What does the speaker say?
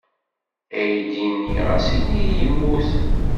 Aydi-nni ɣas ini yemmut.